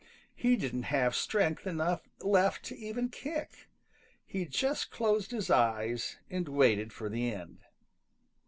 He didn't have strength enough left to even kick. He just closed his eyes and waited for the end.